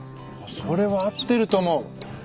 それは合ってると思う。